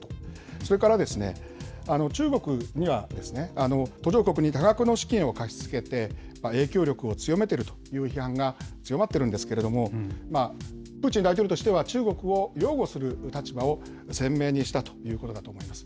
それから、中国には途上国に多額の資金を貸し付けて、影響力を強めているという批判が強まっているんですけれども、プーチン大統領としては、中国を擁護する立場を鮮明にしたということだと思うんです。